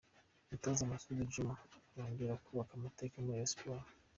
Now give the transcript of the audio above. Umutoza Masoudi Djuma arongeye yubaka amateka muri Rayon Sports .